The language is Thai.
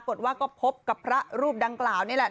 ปรากฏว่าก็พบกับพระรูปดังกล่าวนี่แหละ